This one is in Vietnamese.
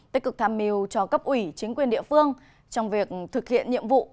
tích cực tham mưu cho cấp ủy chính quyền địa phương trong việc thực hiện nhiệm vụ